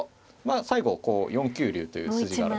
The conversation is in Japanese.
最後４九竜という筋があるので。